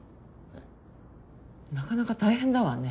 なかなか大変だわね。